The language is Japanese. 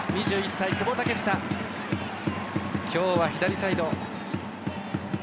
２１歳の久保建英。今日は左サイド。